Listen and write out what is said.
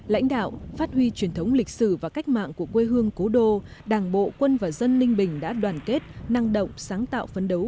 lãnh đạo phát huy truyền thống lịch sử và cách mạng của quê hương cố đô đảng bộ quân và dân ninh bình đã đoàn kết năng động sáng tạo phấn đấu